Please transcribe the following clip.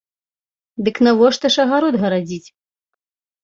Дык навошта ж агарод гарадзіць?